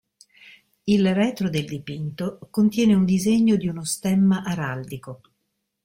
Il retro del dipinto contiene un disegno di uno stemma araldico.